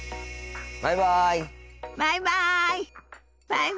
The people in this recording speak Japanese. バイバイ。